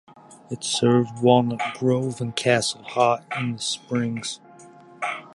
It served Walnut Grove and Castle Hot Springs.